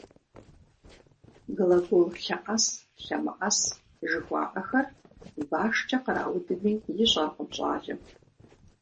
«Глагол лъэӀэс, лъэмыӀэс» жыхуаӀэхэр башкӀэ къраудми ищӀэркъым щӀалэм.